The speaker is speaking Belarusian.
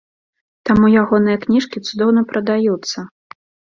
Таму ягоныя кніжкі цудоўна прадаюцца!